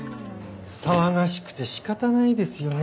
騒がしくて仕方ないですよね